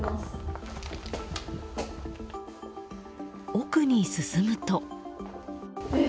奥に進むと。